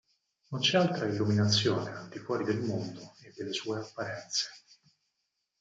Non c'è altra illuminazione al di fuori del mondo e delle sue apparenze.